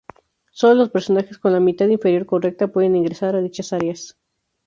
Solo los personajes con la mitad inferior correcta pueden ingresar a dichas áreas.